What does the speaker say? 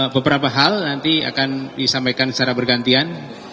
beberapa hal nanti akan disampaikan secara bergantian